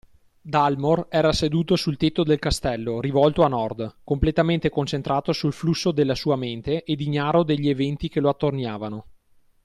Dalmor era seduto sul tetto del castello, rivolto a nord, completamente concentrato sul flusso della sua mente ed ignaro degli aventi che lo attorniavano.